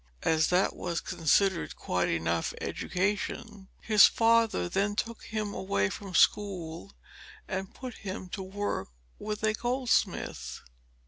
As that was considered quite enough education, his father then took him away from school and put him to work with a goldsmith.